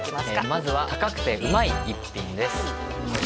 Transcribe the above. まずは高くてうまい一品です